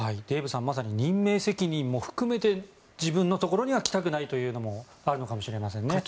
デーブさんまさに任命責任も含めて自分のところには来たくないというのもあるかもしれません。